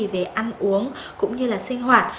về ăn uống cũng như là sinh hoạt